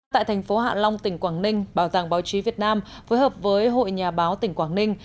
tại thành phố hạ long tỉnh quảng ninh bảo tàng báo chí việt nam phối hợp với hội nhà báo tỉnh quảng ninh